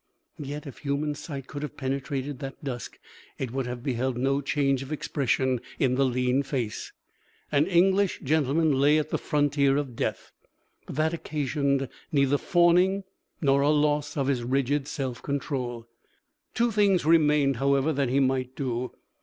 Yet if human sight could have penetrated that dusk, it would have beheld no change of expression in the lean face. An English gentleman lay at the frontier of death. But that occasioned neither fawning nor a loss of his rigid self control. Two things remained, however, that he might do.